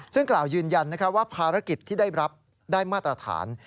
ซึ่งกล่าวยืนยันว่าภารกิจที่ได้รับได้มาตรฐาน